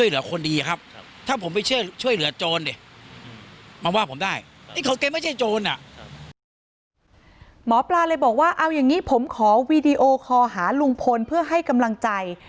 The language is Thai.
หมอปลาเลยบอกว่าเอาอย่างนี้ผมขอวีดีโอคอหาลุงพลเพื่อให้กำลังใจ